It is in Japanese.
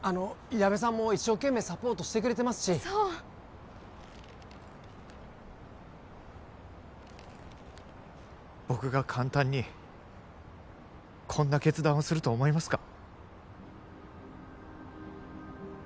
矢部さんも一生懸命サポートしてくれてますしそう僕が簡単にこんな決断をすると思いますか？